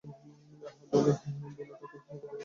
আহা, বলো, বলো ঠাকুরপো, বার বার করে শোনাও আমাকে।